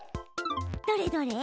どれどれ？